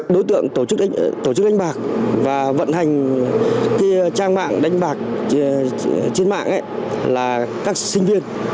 đối tượng tổ chức đánh bạc và vận hành trang mạng đánh bạc trên mạng là các sinh viên